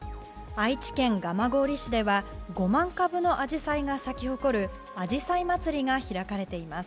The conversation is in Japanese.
愛知県蒲郡市では５万株のアジサイが咲き誇るあじさい祭りが開かれています。